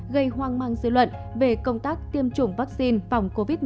gây hoang mang dư luận về công tác tiêm chủng vắc xin phòng covid một mươi chín